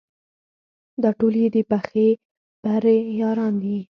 دا ټول یې د پخې پرې یاران دي.